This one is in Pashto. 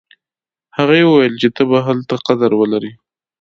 هغې ویل چې ته به هلته قدر ولرې